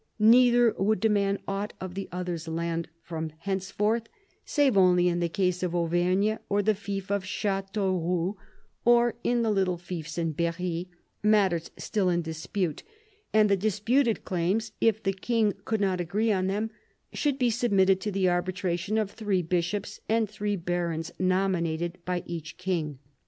Neither would demand aught of the other's lam 1 from henceforth, save only in the case of Auvergne or the fief of Chateauroux, or in the little fiefs in Berry, matters still in dispute ; and the disputed claims, if the king could not agree on them, should be submitted to the arbitration of three bishops and three barons nomin ated by each king.